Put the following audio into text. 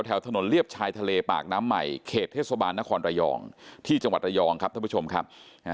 ถนนเลียบชายทะเลปากน้ำใหม่เขตเทศบาลนครระยองที่จังหวัดระยองครับท่านผู้ชมครับ